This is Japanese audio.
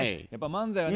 漫才はね